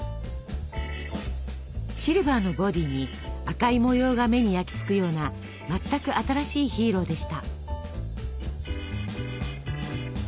シルバーのボディーに赤い模様が目に焼き付くような全く新しいヒーローでした。